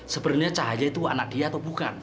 sebenarnya cahaya itu anak dia atau bukan